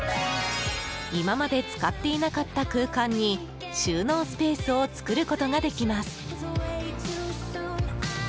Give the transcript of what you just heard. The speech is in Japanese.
今まで使っていなかった空間に収納スペースを作ることができます。